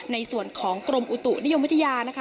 ในส่วนของกรมอุตุนิยมวิทยานะคะ